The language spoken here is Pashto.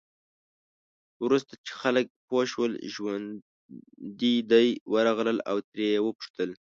وروسته چې خلک پوه شول ژوندي دی، ورغلل او ترې یې وپوښتل.